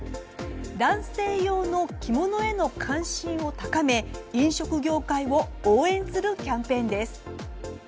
男性用の着物への関心を高め飲食業界を応援するキャンペーンです。